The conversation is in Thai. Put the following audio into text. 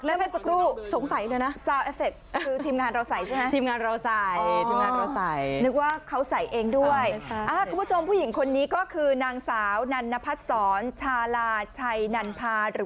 แล้วก็สกรูสงสัยเลยน่ะคือทีมงานเราใส่ใช่ไหม